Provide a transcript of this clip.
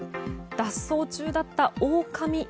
脱走中だったオオカミ犬。